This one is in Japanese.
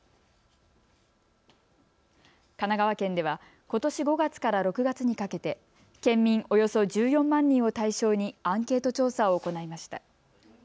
神奈川県では、ことし５月から６月にかけて県民およそ１４万人を対象にアンケート調査を行いました。